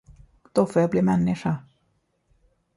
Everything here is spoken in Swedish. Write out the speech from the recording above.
Då får jag bli människa!